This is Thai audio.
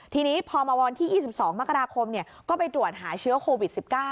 ทีนี้พอมาวันที่๒๒มกราคมก็ไปตรวจหาเชื้อโควิด๑๙